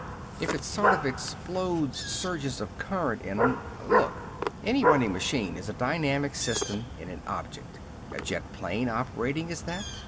If it sort of explodes surges of current in 'em Look! Any running machine is a dynamic system in a object. A jet plane operating is that.